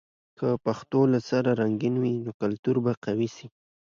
که پښتو له سره رنګین وي، نو کلتور به قوي سي.